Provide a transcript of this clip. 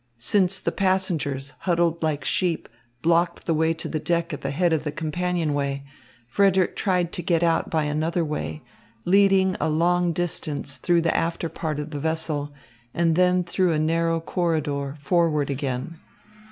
Since the passengers, huddled like sheep, blocked the way to the deck at the head of the companionway, Frederick tried to get out by another way, leading a long distance through the after part of the vessel and then through a narrow corridor forward again.